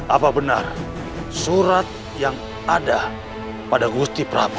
apa benar surat yang ada pada gusti prabu